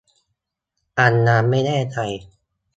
อันนั้นไม่แน่ใจ